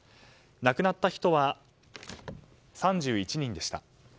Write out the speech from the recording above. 亡くなった人は３１人でした。